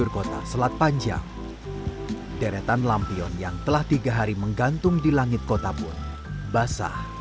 kedua perang air atau ciancui